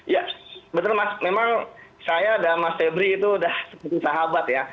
ya betul mas memang saya dan mas febri itu sudah seperti sahabat ya